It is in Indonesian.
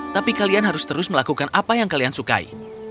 tapi kalian harus terus melakukan apa yang kalian sukai